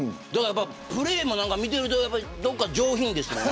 プレーも見てるとどっか上品ですもんね。